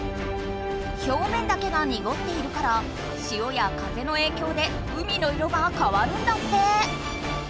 表面だけがにごっているから潮や風のえいきょうで海の色がかわるんだって。